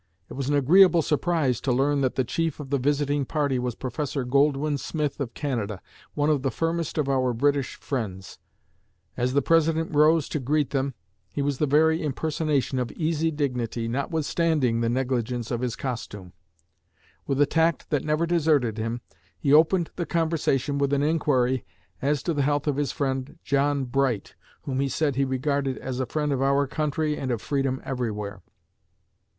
It was an agreeable surprise to learn that the chief of the visiting party was Professor Goldwin Smith of Canada, one of the firmest of our British friends. As the President rose to greet them, he was the very impersonation of easy dignity, notwithstanding the negligence of his costume. With a tact that never deserted him, he opened the conversation with an inquiry as to the health of his friend John Bright, whom he said he regarded as a friend of our country and of freedom everywhere.